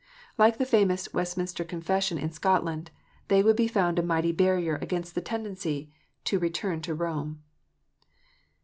Like the famous Westminster Confession in Scotland, they would be found a mighty barrier against the tendency to return to Rome.